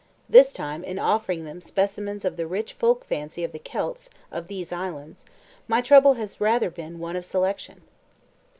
This time, in offering them specimens of the rich folk fancy of the Celts of these islands, my trouble has rather been one of selection.